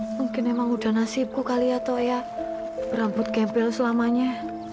mungkin memang sudah nasibku kali ya tok berambut kempel selamanya